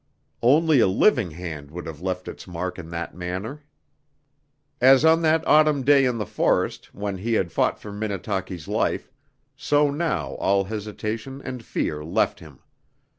Only a living hand would have left its mark in that manner. As on that autumn day in the forest, when he had fought for Minnetaki's life, so now all hesitation and fear left him.